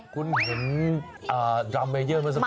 คุณเห็นดรามเมเยอร์เมื่อสักก